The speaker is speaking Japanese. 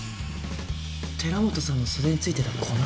寺本さんの袖に付いてた粉？